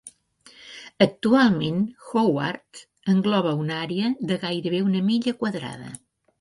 Actualment, Howard engloba una àrea de gairebé una milla quadrada.